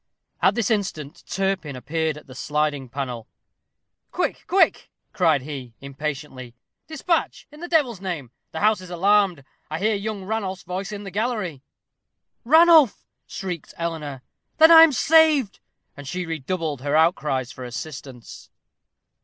At this instant Turpin appeared at the sliding panel. "Quick, quick!" cried he, impatiently "despatch, in the devil's name. The house is alarmed. I hear young Ranulph's voice in the gallery." "Ranulph!" shrieked Eleanor "then I am saved," and she redoubled her outcries for assistance.